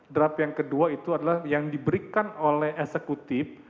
draft yang kedua itu adalah yang diberikan oleh eksekutif